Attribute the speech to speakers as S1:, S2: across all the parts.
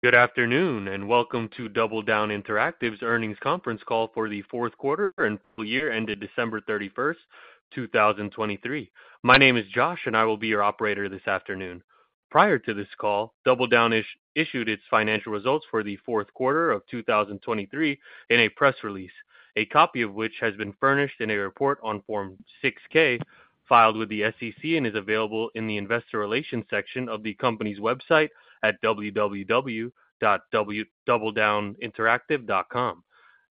S1: Good afternoon, and welcome to DoubleDown Interactive's earnings conference call for the fourth quarter and full year ended December 31, 2023. My name is Josh, and I will be your operator this afternoon. Prior to this call, DoubleDown issued its financial results for the fourth quarter of 2023 in a press release, a copy of which has been furnished in a report on Form 6-K, filed with the SEC and is available in the investor relations section of the company's website at www.doubledowninteractive.com.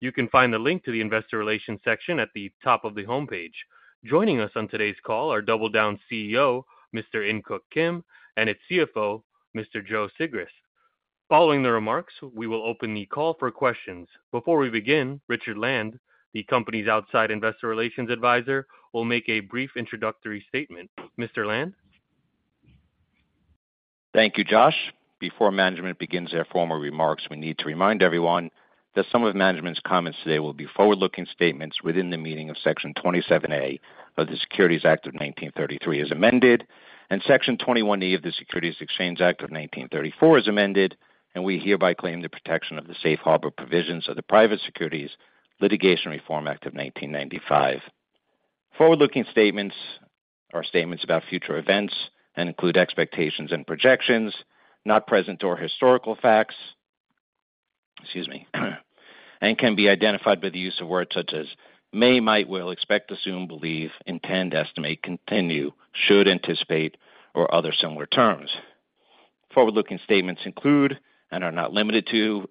S1: You can find the link to the investor relations section at the top of the homepage. Joining us on today's call are DoubleDown's CEO, Mr. In Keuk Kim, and its CFO, Mr. Joe Sigrist. Following the remarks, we will open the call for questions. Before we begin, Richard Land, the company's outside investor relations advisor, will make a brief introductory statement. Mr. Land?
S2: Thank you, Josh. Before management begins their formal remarks, we need to remind everyone that some of management's comments today will be forward-looking statements within the meaning of Section 27A of the Securities Act of 1933 as amended, and Section 21E of the Securities Exchange Act of 1934 as amended. We hereby claim the protection of the safe harbor provisions of the Private Securities Litigation Reform Act of 1995. Forward-looking statements are statements about future events and include expectations and projections, not present or historical facts... Excuse me, and can be identified by the use of words such as may, might, will, expect, assume, believe, intend, estimate, continue, should anticipate, or other similar terms. Forward-looking statements include, and are not limited to,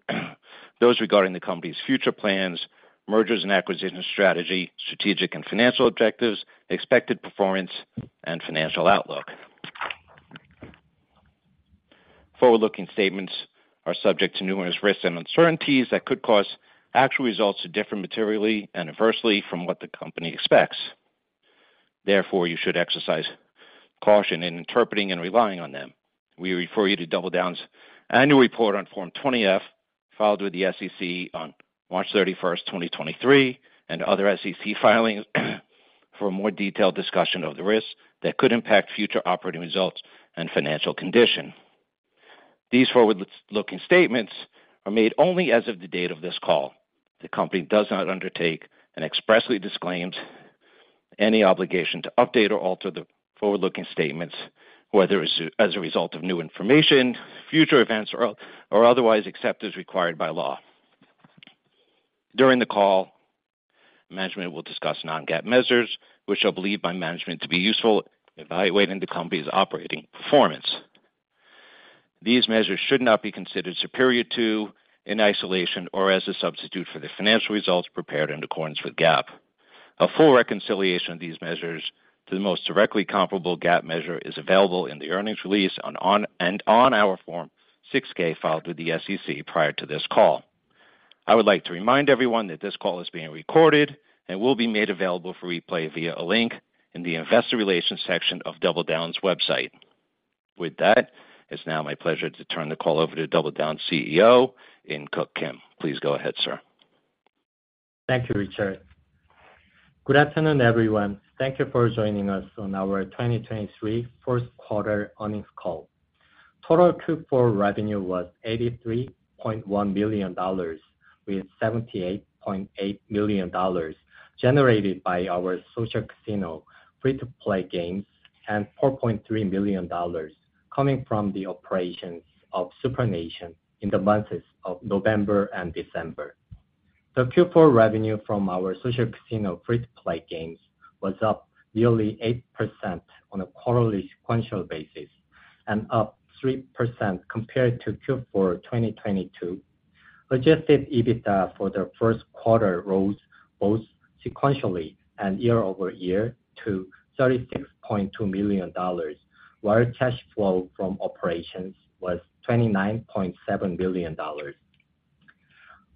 S2: those regarding the company's future plans, mergers and acquisition strategy, strategic and financial objectives, expected performance, and financial outlook. Forward-looking statements are subject to numerous risks and uncertainties that could cause actual results to differ materially and adversely from what the company expects. Therefore, you should exercise caution in interpreting and relying on them. We refer you to DoubleDown's annual report on Form 20-F, filed with the SEC on March 31, 2023, and other SEC filings, for a more detailed discussion of the risks that could impact future operating results and financial condition. These forward-looking statements are made only as of the date of this call. The company does not undertake and expressly disclaims any obligation to update or alter the forward-looking statements, whether as a result of new information, future events, or otherwise, except as required by law. During the call, management will discuss non-GAAP measures, which are believed by management to be useful in evaluating the company's operating performance. These measures should not be considered superior to, in isolation, or as a substitute for the financial results prepared in accordance with GAAP. A full reconciliation of these measures to the most directly comparable GAAP measure is available in the earnings release and on our Form 6-K filed with the SEC prior to this call. I would like to remind everyone that this call is being recorded and will be made available for replay via a link in the investor relations section of DoubleDown's website. With that, it's now my pleasure to turn the call over to DoubleDown's CEO, In Keuk Kim. Please go ahead, sir.
S3: Thank you, Richard. Good afternoon, everyone. Thank you for joining us on our 2023 first quarter earnings call. Total Q4 revenue was $83.1 million, with $78.8 million generated by our social casino free-to-play games, and $4.3 million coming from the operations of SuprNation in the months of November and December. The Q4 revenue from our social casino free-to-play games was up nearly 8% on a quarterly sequential basis and up 3% compared to Q4 2022. Adjusted EBITDA for the first quarter rose both sequentially and year-over-year to $36.2 million, while cash flow from operations was $29.7 million.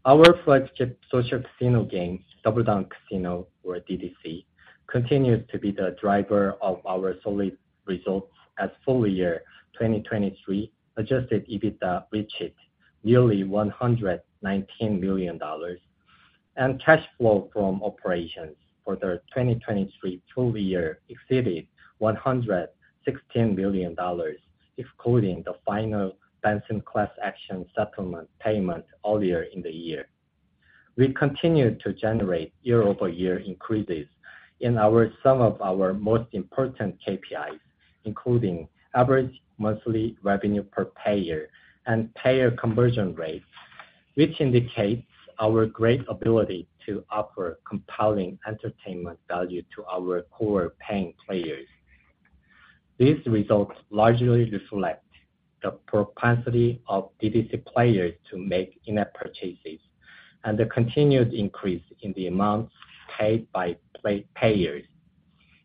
S3: Our flagship social casino game, DoubleDown Casino or DDC, continues to be the driver of our solid results as full year 2023 Adjusted EBITDA reached nearly $119 million, and cash flow from operations for the 2023 full year exceeded $116 million, including the final Benson class action settlement payment earlier in the year. We continued to generate year-over-year increases in some of our most important KPIs, including average monthly revenue per payer and payer conversion rates, which indicates our great ability to offer compelling entertainment value to our core paying players. These results largely reflect the propensity of DDC players to make in-app purchases and the continued increase in the amounts paid by payers.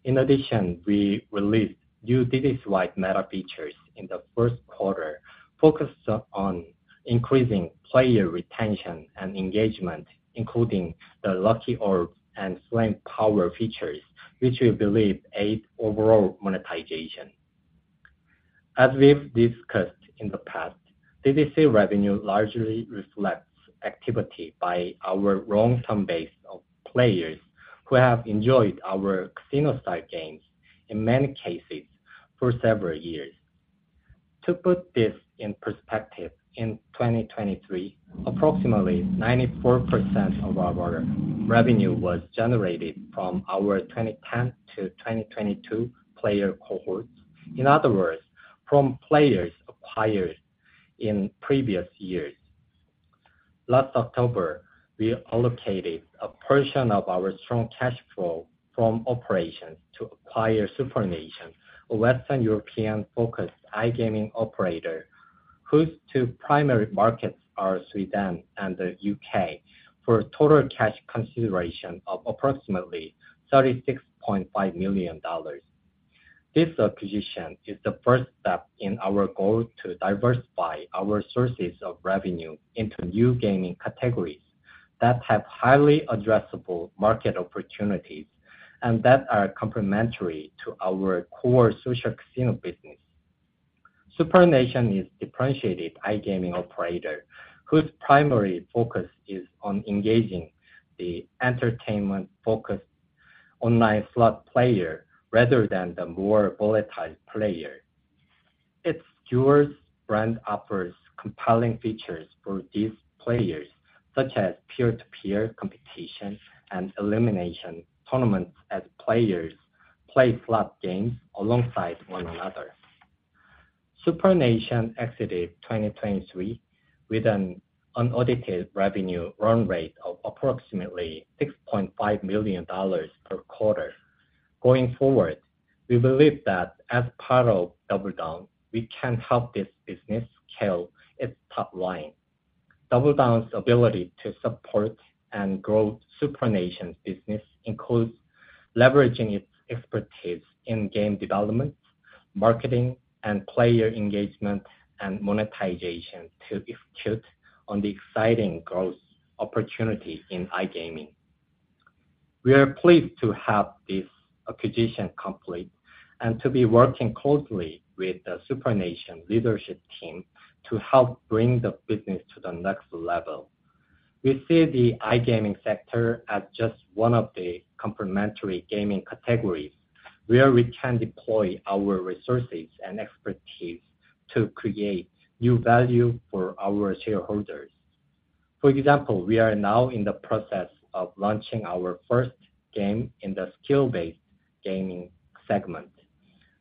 S3: In addition, we released new DDC slot meta features in the first quarter, focused on increasing player retention and engagement, including the Lucky Orb and Flame Power features, which we believe aid overall monetization. As we've discussed in the past, DDC revenue largely reflects activity by our long-term base of players who have enjoyed our casino-style games, in many cases, for several years. To put this in perspective, in 2023, approximately 94% of our revenue was generated from our 2010-2022 player cohorts. In other words, from players acquired in previous years. Last October, we allocated a portion of our strong cash flow from operations to acquire SuprNation, a Western European-focused iGaming operator, whose two primary markets are Sweden and the U.K., for a total cash consideration of approximately $36.5 million. This acquisition is the first step in our goal to diversify our sources of revenue into new gaming categories, that have highly addressable market opportunities and that are complementary to our core social casino business. SuprNation is differentiated iGaming operator, whose primary focus is on engaging the entertainment-focused online slot player rather than the more volatile player. Its Duelz brand offers compelling features for these players, such as peer-to-peer competition and elimination tournaments as players play slot games alongside one another. SuprNation exited 2023 with an unaudited revenue run rate of approximately $6.5 million per quarter. Going forward, we believe that as part of DoubleDown, we can help this business scale its top line. DoubleDown's ability to support and grow SuprNation business includes leveraging its expertise in game development, marketing, and player engagement, and monetization to execute on the exciting growth opportunity in iGaming. We are pleased to have this acquisition complete, and to be working closely with the SuprNation leadership team to help bring the business to the next level. We see the iGaming sector as just one of the complementary gaming categories, where we can deploy our resources and expertise to create new value for our shareholders. For example, we are now in the process of launching our first game in the skill-based gaming segment.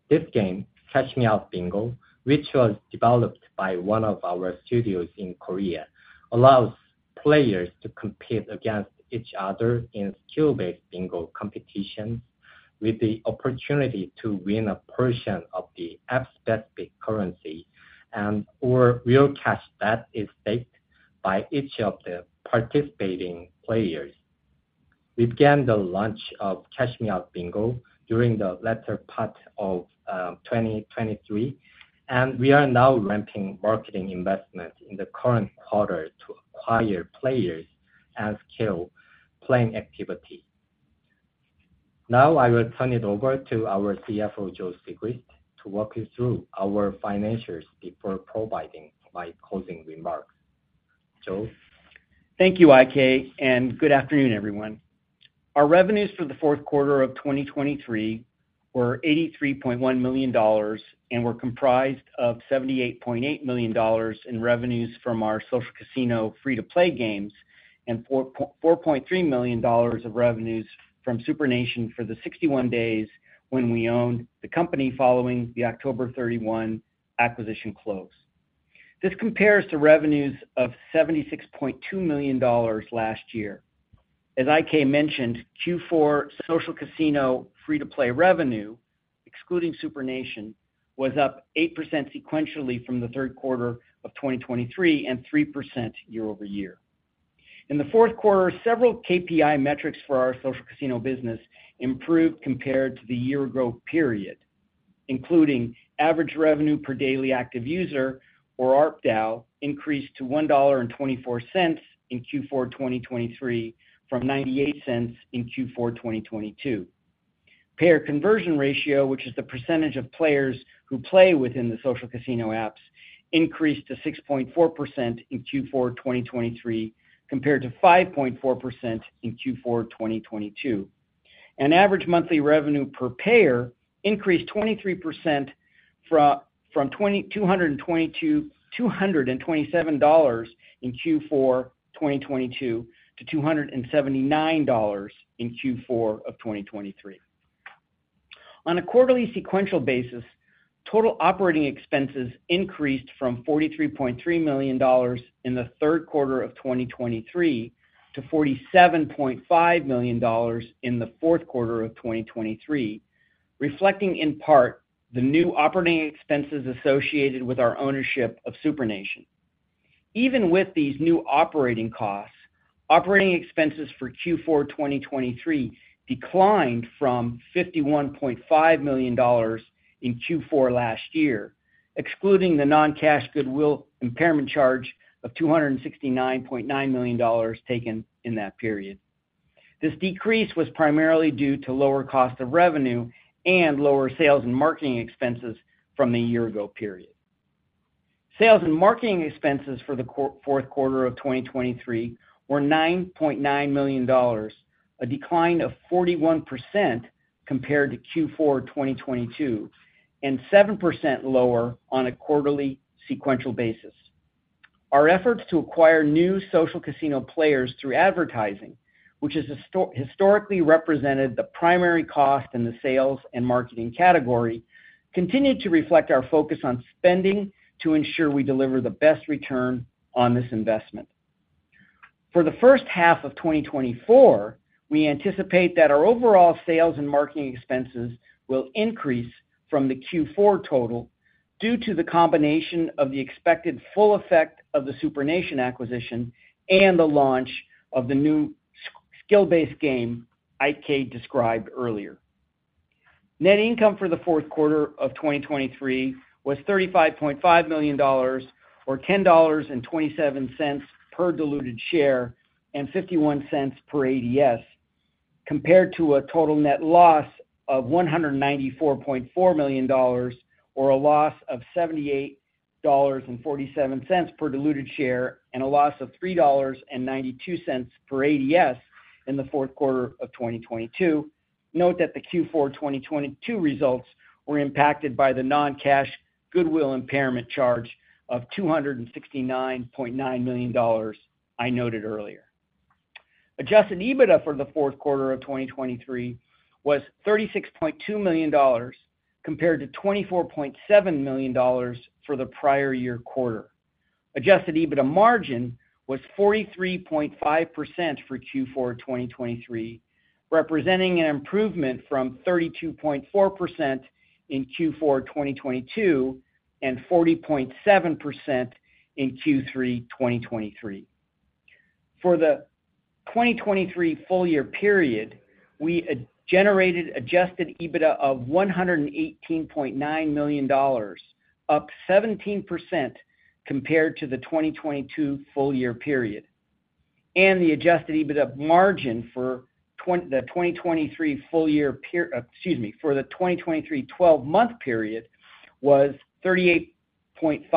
S3: This game, Cash Me Out Bingo, which was developed by one of our studios in Korea, allows players to compete against each other in skill-based bingo competition, with the opportunity to win a portion of the app-specific currency and/or real cash that is staked by each of the participating players. We began the launch of Cash Me Out Bingo during the latter part of 2023, and we are now ramping marketing investment in the current quarter to acquire players and scale playing activity. Now, I will turn it over to our CFO, Joe Sigrist, to walk you through our financials before providing my closing remarks. Joe?
S4: Thank you, IK, and good afternoon, everyone. Our revenues for the fourth quarter of 2023 were $83.1 million, and were comprised of $78.8 million in revenues from our social casino free-to-play games, and $4.3 million of revenues from SuprNation for the 61 days when we owned the company following the October 31 acquisition close. This compares to revenues of $76.2 million last year. As IK mentioned, Q4 social casino free-to-play revenue, excluding SuprNation, was up 8% sequentially from the third quarter of 2023, and 3% year-over-year. In the fourth quarter, several KPI metrics for our social casino business improved compared to the year ago period, including average revenue per daily active user, or ARPDAU, increased to $1.24 in Q4 2023, from $0.98 in Q4 2022. Payer conversion ratio, which is the percentage of players who play within the social casino apps, increased to 6.4% in Q4 2023, compared to 5.4% in Q4 2022. Average monthly revenue per payer increased 23% from $227 in Q4 2022 to $279 in Q4 2023. On a quarterly sequential basis, total operating expenses increased from $43.3 million in the third quarter of 2023, to $47.5 million in the fourth quarter of 2023, reflecting in part the new operating expenses associated with our ownership of SuprNation. Even with these new operating costs, operating expenses for Q4 2023 declined from $51.5 million in Q4 last year, excluding the non-cash goodwill impairment charge of $269.9 million taken in that period. This decrease was primarily due to lower cost of revenue and lower sales and marketing expenses from the year ago period. Sales and marketing expenses for the fourth quarter of 2023 were $9.9 million, a decline of 41% compared to Q4 2022, and 7% lower on a quarterly sequential basis. Our efforts to acquire new social casino players through advertising, which has historically represented the primary cost in the sales and marketing category, continued to reflect our focus on spending to ensure we deliver the best return on this investment. For the first half of 2024, we anticipate that our overall sales and marketing expenses will increase from the Q4 total due to the combination of the expected full effect of the SuprNation acquisition and the launch of the new skill-based game IK described earlier. Net income for the fourth quarter of 2023 was $35.5 million, or $10.27 per diluted share, and $0.51 per ADS, compared to a total net loss of $194.4 million, or a loss of $78.47 per diluted share, and a loss of $3.92 per ADS in the fourth quarter of 2022. Note that the Q4 2022 results were impacted by the non-cash goodwill impairment charge of $269.9 million I noted earlier. Adjusted EBITDA for the fourth quarter of 2023 was $36.2 million, compared to $24.7 million for the prior year quarter. Adjusted EBITDA margin was 43.5% for Q4 2023, representing an improvement from 32.4% in Q4 2022, and 40.7% in Q3 2023. For the 2023 full year period, we generated adjusted EBITDA of $118.9 million, up 17% compared to the 2022 full year period. And the adjusted EBITDA margin for the 2023 twelve-month period was 38.5%,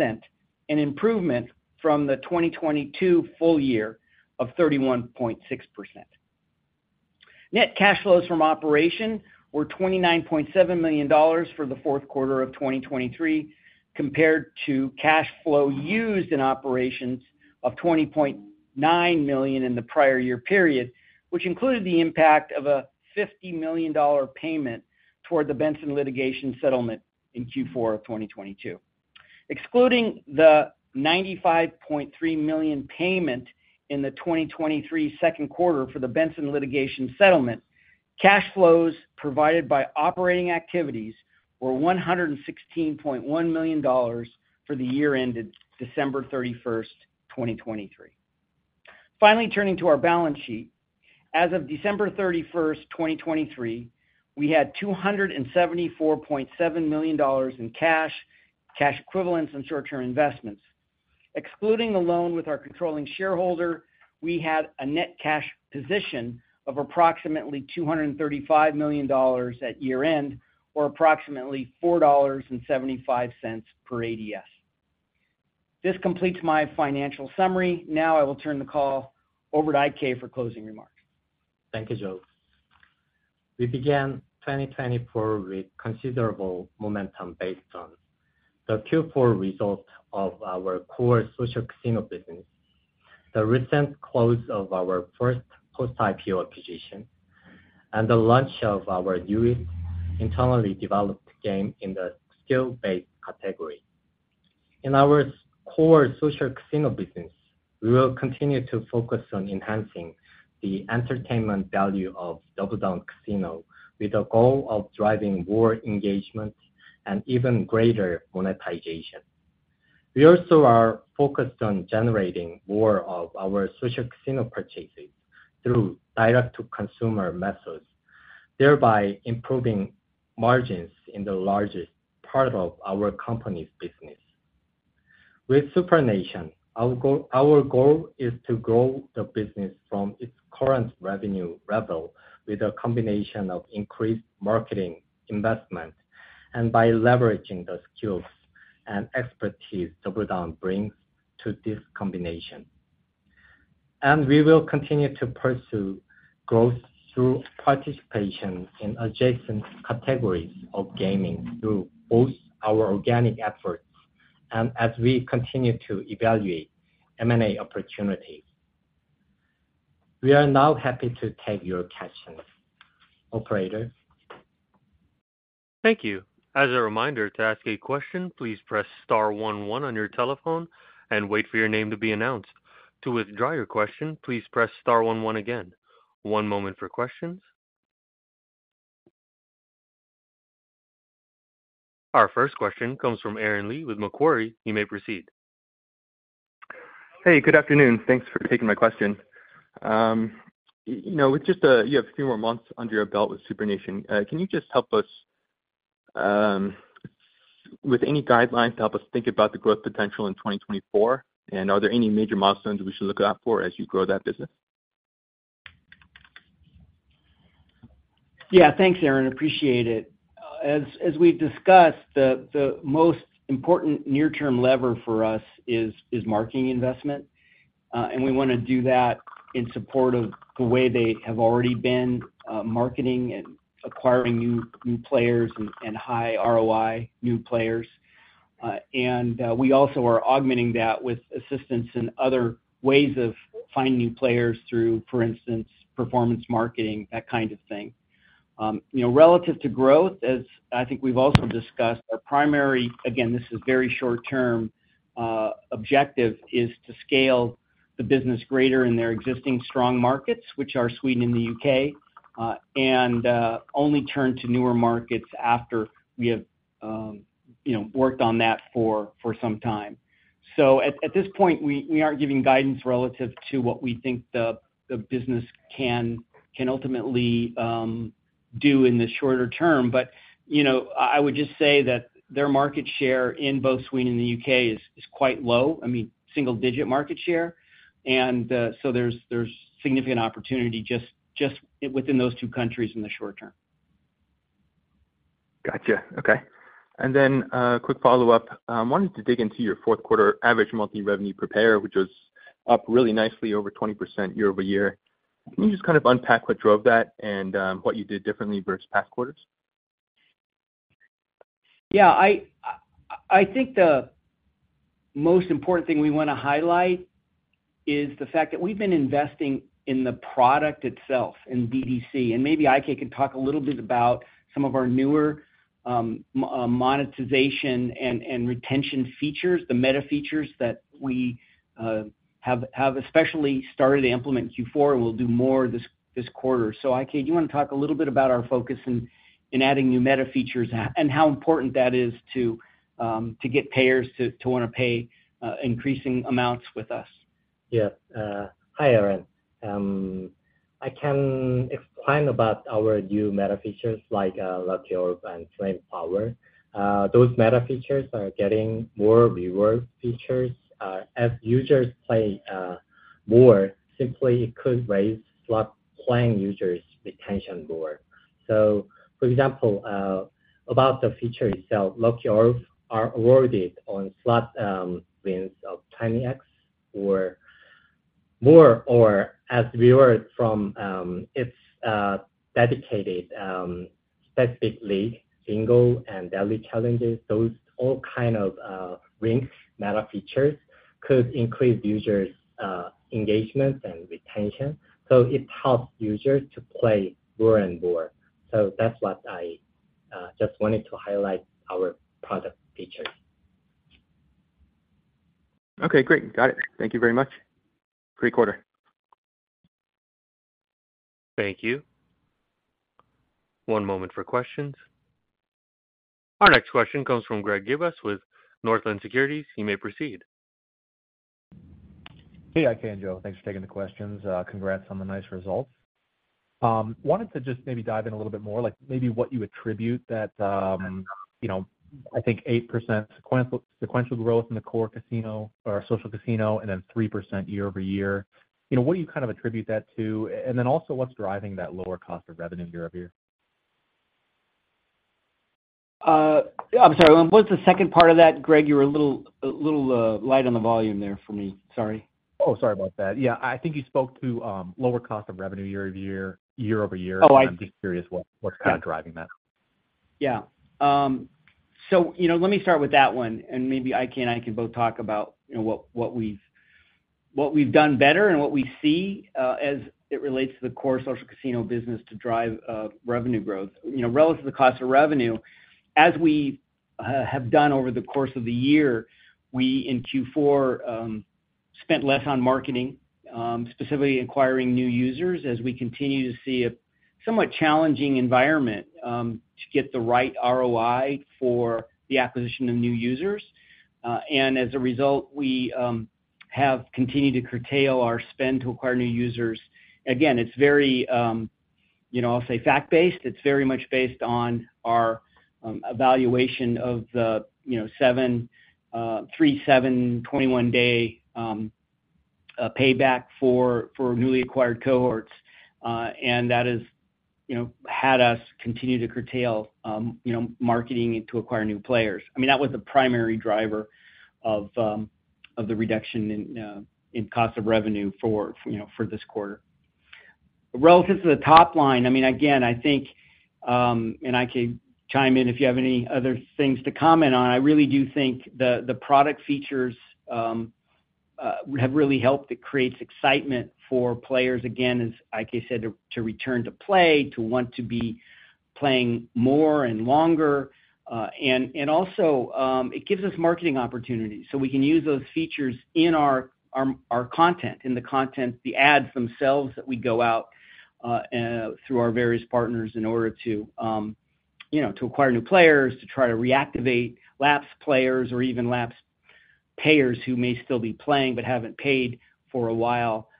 S4: an improvement from the 2022 full year of 31.6%. Net cash flows from operations were $29.7 million for the fourth quarter of 2023, compared to cash flow used in operations of $20.9 million in the prior year period, which included the impact of a $50 million payment toward the Benson litigation settlement in Q4 of 2022. Excluding the $95.3 million payment in the 2023 second quarter for the Benson litigation settlement, cash flows provided by operating activities were $116.1 million for the year ended December 31st, 2023. Finally, turning to our balance sheet. As of December 31st, 2023, we had $274.7 million in cash, cash equivalents, and short-term investments. Excluding the loan with our controlling shareholder, we had a net cash position of approximately $235 million at year-end, or approximately $4.75 per ADS. This completes my financial summary. Now I will turn the call over to IK for closing remarks.
S3: Thank you, Joe. We began 2024 with considerable momentum based on the Q4 results of our core social casino business, the recent close of our first post-IPO acquisition, and the launch of our newest internally developed game in the skill-based category. In our core social casino business, we will continue to focus on enhancing the entertainment value of DoubleDown Casino, with the goal of driving more engagement and even greater monetization. We also are focused on generating more of our social casino purchases through direct-to-consumer methods, thereby improving margins in the largest part of our company's business. With SuprNation, our goal is to grow the business from its current revenue level with a combination of increased marketing investment and by leveraging the skills and expertise DoubleDown brings to this combination. We will continue to pursue growth through participation in adjacent categories of gaming through both our organic efforts and as we continue to evaluate M&A opportunities. We are now happy to take your questions. Operator?
S1: Thank you. As a reminder, to ask a question, please press star one one on your telephone and wait for your name to be announced. To withdraw your question, please press star one one again. One moment for questions. Our first question comes from Aaron Lee with Macquarie. You may proceed.
S5: Hey, good afternoon. Thanks for taking my question. You know, with just a few more months under your belt with SuprNation, can you just help us with any guidelines to help us think about the growth potential in 2024? And are there any major milestones we should look out for as you grow that business?
S3: Yeah, thanks, Aaron. Appreciate it. As we've discussed, the most important near-term lever for us is marketing investment. And we want to do that in support of the way they have already been marketing and acquiring new players and high ROI new players. And we also are augmenting that with assistance in other ways of finding new players through, for instance, performance marketing, that kind of thing. You know, relative to growth, as I think we've also discussed, our primary, again, this is very short term, objective, is to scale the business greater in their existing strong markets, which are Sweden and the UK, and only turn to newer markets after we have, you know, worked on that for some time. So at this point, we aren't giving guidance relative to what we think the business can ultimately do in the shorter term. But, you know, I would just say that their market share in both Sweden and the UK is quite low, I mean, single digit market share. And so there's significant opportunity just within those two countries in the short term.
S5: Gotcha. Okay. And then, quick follow-up. Wanted to dig into your fourth quarter average monthly revenue per payer, which was up really nicely over 20% year-over-year. Can you just kind of unpack what drove that and, what you did differently versus past quarters?
S4: Yeah, I think the most important thing we wanna highlight is the fact that we've been investing in the product itself, in DDC, and maybe IK can talk a little bit about some of our newer monetization and retention features, the meta features that we have especially started to implement in Q4, and we'll do more this quarter. So, IK, do you want to talk a little bit about our focus in adding new meta features and how important that is to get payers to want to pay increasing amounts with us?
S3: Yeah. Hi, Aaron. I can explain about our new meta features, like, Lucky Orb and Flame Power. Those meta features are getting more reward features. As users play more, simply could raise slot playing users retention more. So for example, about the feature itself, Lucky Orbs are awarded on slot wins of 10x or more, or as reward from its dedicated specifically single and daily challenges. Those all kind of rings meta features could increase users engagement and retention, so it helps users to play more and more. So that's what I just wanted to highlight our product features.
S5: Okay, great. Got it. Thank you very much. Great quarter.
S1: Thank you. One moment for questions. Our next question comes from Greg Gibas with Northland Securities. You may proceed.
S6: Hey, IK and Joe. Thanks for taking the questions. Congrats on the nice results. Wanted to just maybe dive in a little bit more, like maybe what you attribute that to, you know, I think 8% sequential growth in the core casino or social casino and then 3% year-over-year. You know, what do you kind of attribute that to? And then also, what's driving that lower cost of revenue year-over-year?
S4: I'm sorry, what was the second part of that, Greg? You were a little light on the volume there for me. Sorry.
S6: Oh, sorry about that. Yeah, I think you spoke to lower cost of revenue year-over-year.
S4: Oh, I-
S6: I'm just curious what-
S4: Yeah.
S6: What's kind of driving that?
S4: Yeah. So, you know, let me start with that one, and maybe IK and I can both talk about, you know, what, what we've, what we've done better and what we see, as it relates to the core social casino business to drive, revenue growth. You know, relative to the cost of revenue, as we have done over the course of the year, we, in Q4, spent less on marketing, specifically acquiring new users, as we continue to see a somewhat challenging environment, to get the right ROI for the acquisition of new users. And as a result, we have continued to curtail our spend to acquire new users. Again, it's very, you know, I'll say fact-based. It's very much based on our evaluation of the, you know, 7-37-21-day payback for newly acquired cohorts. And that has, you know, had us continue to curtail, you know, marketing to acquire new players. I mean, that was the primary driver of the reduction in cost of revenue for, you know, for this quarter. Relative to the top line, I mean, again, I think, and, IK, chime in if you have any other things to comment on, I really do think the product features have really helped. It creates excitement for players, again, as IK said, to return to play, to want to be playing more and longer. And also, it gives us marketing opportunities, so we can use those features in our content, in the content, the ads themselves that we go out through our various partners in order to you know, to acquire new players, to try to reactivate lapsed players or even lapsed payers who may still be playing but haven't paid for a while.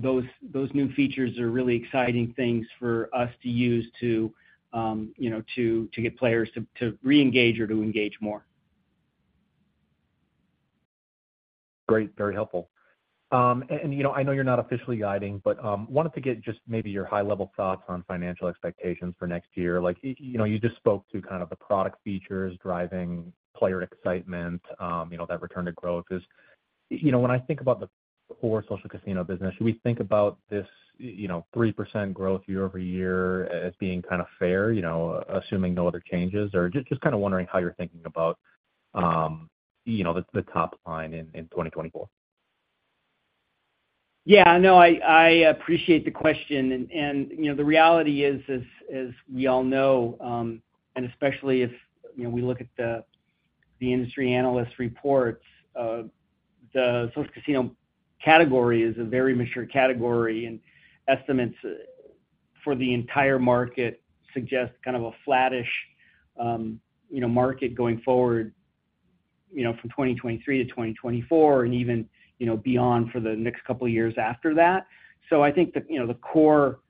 S4: Those new features are really exciting things for us to use to you know, to get players to re-engage or to engage more.
S6: Great, very helpful. And, you know, I know you're not officially guiding, but, wanted to get just maybe your high-level thoughts on financial expectations for next year. Like, you know, you just spoke to kind of the product features driving player excitement, you know, that return to growth. Is, you know, when I think about the core social casino business, should we think about this, you know, 3% growth year-over-year as being kind of fair, you know, assuming no other changes? Or just, just kind of wondering how you're thinking about, you know, the, the top line in, in 2024.
S3: Yeah, no, I appreciate the question. And you know, the reality is, as we all know, and especially if you know, we look at the industry analyst reports, the social casino category is a very mature category, and estimates for the entire market suggest kind of a flattish, you know, market going forward, you know, from 2023-2024 and even, you know, beyond for the next couple of years after that. So I think the you know, the core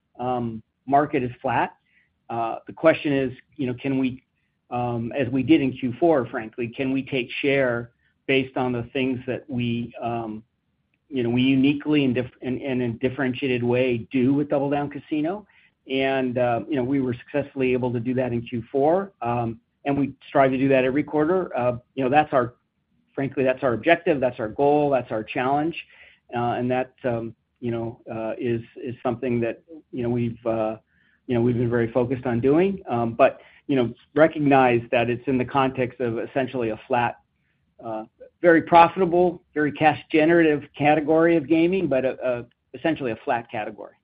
S3: market is flat. The question is, you know, can we, as we did in Q4, frankly, can we take share based on the things that we you know, we uniquely and in differentiated way do with DoubleDown Casino? And you know, we were successfully able to do that in Q4.
S4: We strive to do that every quarter. You know, that's our, frankly, that's our objective, that's our goal, that's our challenge. And that's, you know, something that, you know, we've, you know, we've been very focused on doing. But, you know, recognize that it's in the context of essentially a flat, very profitable, very cash generative category of gaming, but essentially a flat category.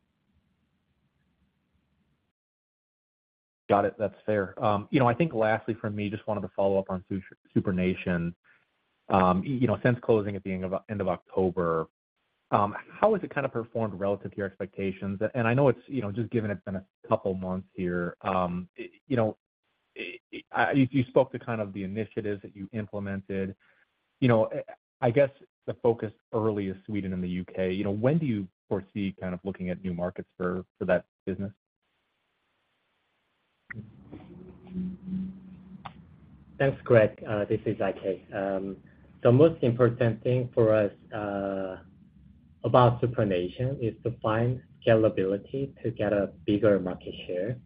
S6: Got it. That's fair. You know, I think lastly for me, just wanted to follow up on SuprNation. You know, since closing at the end of October, how has it kind of performed relative to your expectations? And I know it's, you know, just given it's been a couple months here, you know, you spoke to kind of the initiatives that you implemented. You know, I guess the focus early is Sweden and the UK. You know, when do you foresee kind of looking at new markets for that business?
S3: Thanks, Greg. This is IK. The most important thing for us about SuprNation is to find scalability to get a bigger market share.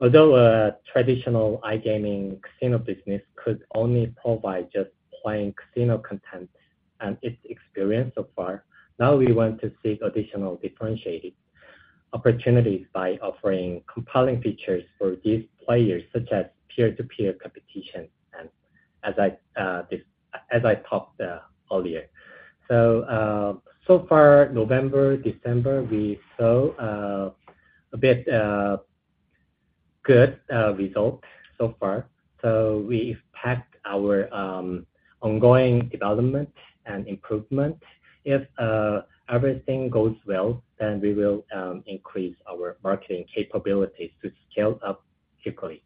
S3: Although a traditional iGaming casino business could only provide just playing casino content and its experience so far, now we want to seek additional differentiated opportunities by offering compelling features for these players, such as peer-to-peer competition, and as I talked earlier. So far, November, December, we saw a bit good result so far. So we've packed our ongoing development and improvement. If everything goes well, then we will increase our marketing capabilities to scale up quickly.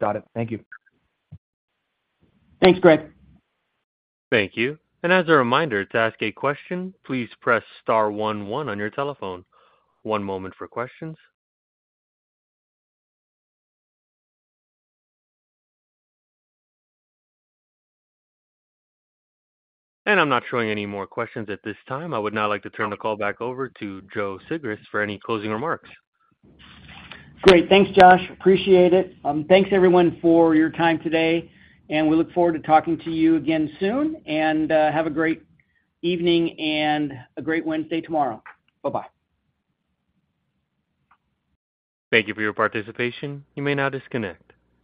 S6: Got it. Thank you.
S4: Thanks, Greg.
S1: Thank you. And as a reminder, to ask a question, please press star one one on your telephone. One moment for questions. And I'm not showing any more questions at this time. I would now like to turn the call back over to Joe Sigrist for any closing remarks.
S4: Great. Thanks, Josh. Appreciate it. Thanks everyone for your time today, and we look forward to talking to you again soon. And, have a great evening and a great Wednesday tomorrow. Bye-bye.
S1: Thank you for your participation. You may now disconnect.